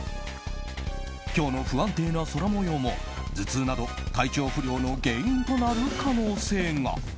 今日の不安定な空模様も頭痛など体調不良の原因となる可能性が。